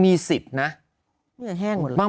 มีสิทธิ์นะ